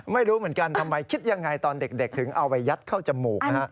ไม่รู้เหมือนกันทำไมคิดยังไงตอนเด็กถึงเอาไปยัดเข้าจมูกนะฮะ